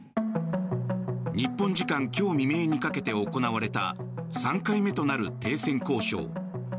日本時間今日未明にかけて行われた３回目となる停戦交渉。